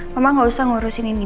mama gak usah ngurusin ini